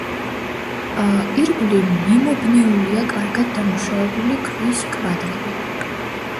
ირგვლივ მიმობნეულია კარგად დამუშავებული ქვის კვადრები.